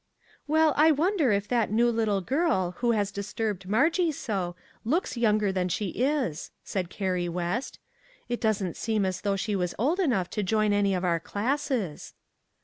Well, I wonder if that new little girl, who has disturbed Margie so, looks younger than she is," said Carrie West. " It doesn't seem as though she was old enough to join any of our classes."